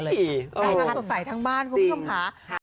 สดใสทั้งบ้านคุณผู้ชมค่ะ